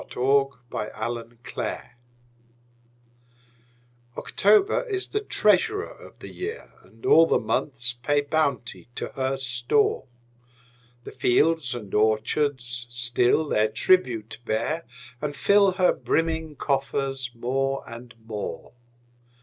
Paul Laurence Dunbar October OCTOBER is the treasurer of the year, And all the months pay bounty to her store: The fields and orchards still their tribute bear, And fill her brimming coffers more and more.